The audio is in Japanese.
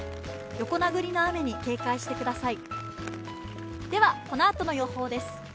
横殴りの雨に警戒してください。